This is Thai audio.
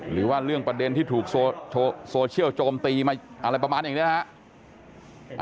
หรือว่าเรื่องประเด็นที่ถูกโซเชียลโจมตีมาอะไรประมาณอย่างนี้นะครับ